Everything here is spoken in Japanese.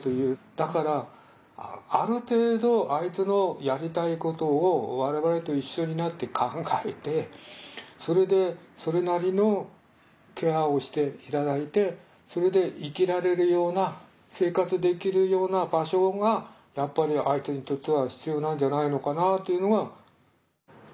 だからある程度あいつのやりたいことを我々と一緒になって考えてそれでそれなりのケアをして頂いてそれで生きられるような生活できるような場所がやっぱりあいつにとっては必要なんじゃないのかなというのが。